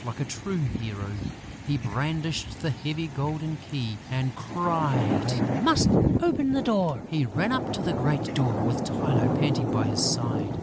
Like a true hero, he brandished the heavy golden key and cried: "I must open the door!" He ran up to the great door, with Tylô panting by his side.